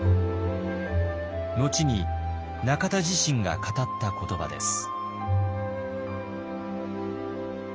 後に中田自身が語った言葉です。